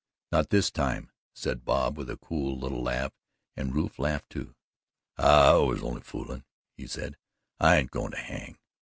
"Not this time," said Bob with a cool little laugh, and Rufe laughed, too. "I was only foolin'," he said, "I ain't goin' to hang.